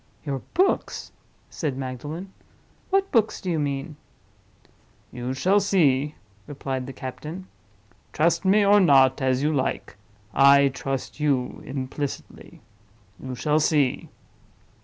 "Your books?" said Magdalen. "What books do you mean?" "You shall see," replied the captain. "Trust me, or not, as you like—I trust you implicitly. You shall see."